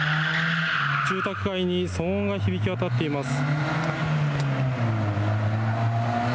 住宅街に騒音が響き渡っています。